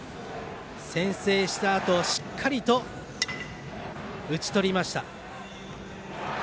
先制したあと、しっかりと打ち取りました。